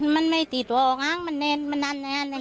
มันไม่ใช่ตัวคนเดียวที่เอาเส้นแผน